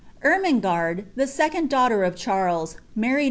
Crmengarde, the second daughter of Cliarlea, UMiried